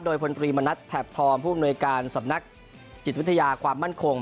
โดยพลตรีมณัฐแถบทองผู้อำนวยการสำนักจิตวิทยาความมั่นคง